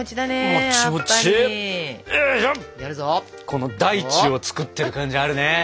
この大地を作ってる感じあるね！